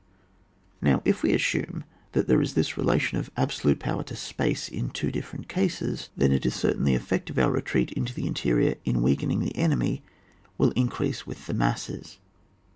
Now if we assume that there is this re lation of absolute power to spcu^e in two different cases, then it is certain that the 168 ON WAR. [book VI. effect of our retreat into the Snterior^in weakening the enemy wiU increase with the masses.